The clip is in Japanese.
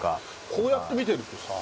こうやって見てるとさ